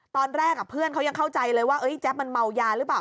ตอนแรกเพื่อนเขายังเข้าใจเลยว่าแจ๊บมันเมายาหรือเปล่า